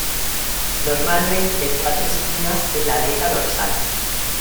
Normalmente cuatro espinas en la aleta dorsal.